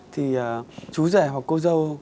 thì chú rẻ hoặc cô dâu